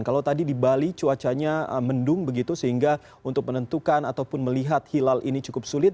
kalau tadi di bali cuacanya mendung begitu sehingga untuk menentukan ataupun melihat hilal ini cukup sulit